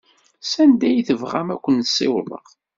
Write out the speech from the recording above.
Sanda ay tebɣam ad ken-ssiwḍeɣ.